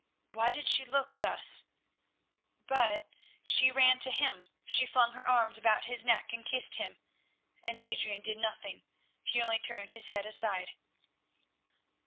Why did she look thus? But she, she ran to him, she flung her arms about his neck and kissed him, and Adrian did nothing, he only turned his head aside.